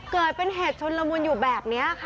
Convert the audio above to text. เกิดเป็นเหตุชนละมุนอยู่แบบนี้ค่ะ